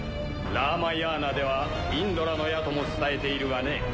ラーマヤーナではインドラの矢とも伝えているがね。